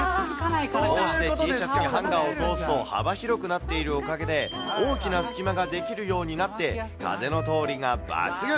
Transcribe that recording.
こうしてＴシャツにハンガーを通すと、幅広くなっているおかげで、大きな隙間が出来るようになって、風の通りが抜群。